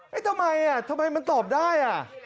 เฮ้ทำไมอ่ะสมัยมันตอบได้อ่ะ